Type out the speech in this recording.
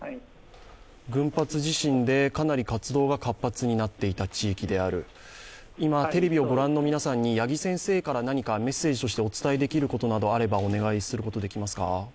群発地震でかなり活動が活発になっていた地域である、今、テレビをご覧の皆さんに、八木先生から何かメッセージとしてお伝えすることがあればお願いできますか？